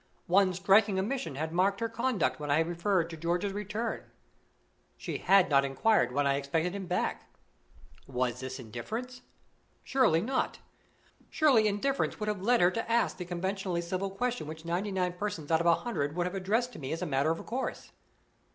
One striking omission had marked her conduct when I had referred to George's return. She had not inquired when I expected him back. Was this indifference? Surely not. Surely indifference would have led her to ask the conventionally civil question which ninety nine persons out of a hundred would have addressed to me as a matter of course.